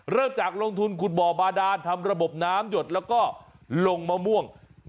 เริ่มจากลงทุนขุดบ่อบาดานทำระบบน้ำหยดแล้วก็ลงมะม่วง